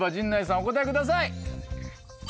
お答えください！